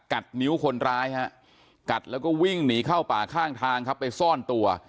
นิ้วคนร้ายฮะกัดแล้วก็วิ่งหนีเข้าป่าข้างทางครับไปซ่อนตัว